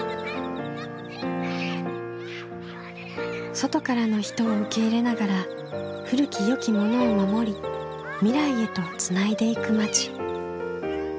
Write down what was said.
外からの人を受け入れながら古きよきものを守り未来へとつないでいく町。